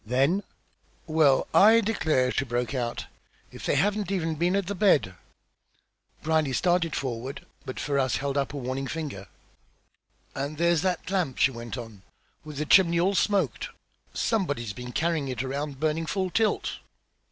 Then "Well, I declare!" she broke out. "If they haven't even been at the bed!" Brierly started forward, but Ferrars held up a warning finger. "And there's that lamp!" she went on, "with the chimney all smoked! Somebody's been carrying it around burning full tilt."